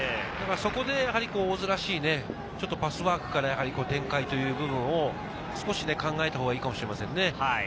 そこで大津らしいパスワークから展開という部分を少し考えたほうがいいかもしれませんね。